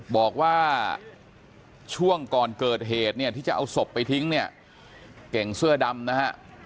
บอกว่าช่วงก่อนเกิดเหตุเนี่ยที่จะเอาศพไปทิ้งเนี่ยเก่งเสื้อดำนะฮะ